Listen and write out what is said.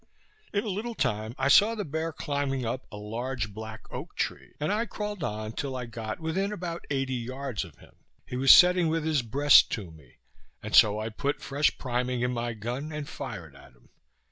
In a little time I saw the bear climbing up a large black oak tree, and I crawled on till I got within about eighty yards of him. He was setting with his breast to me; and so I put fresh priming in my gun, and fired at him.